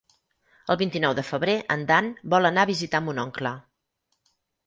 El vint-i-nou de febrer en Dan vol anar a visitar mon oncle.